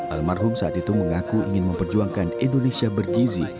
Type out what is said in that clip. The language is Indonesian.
almarhum saat itu mengaku ingin memperjuangkan indonesia bergizi